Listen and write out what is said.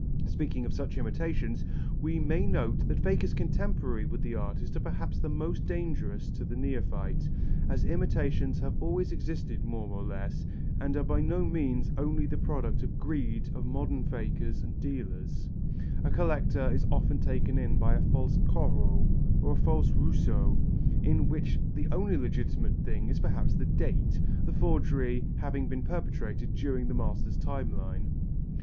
Speaking of such imitations, we may note that fakers contemporary with the artist are perhaps the most dangerous to the neophyte, and as imitations have always existed more or less, and are by no means only the product of the greed of modern fakers and dealers, a collector is often taken in by a false Corot or a false Rousseau, in which the only legitimate thing is perhaps the date, the forgery having been perpetrated during the master's lifetime.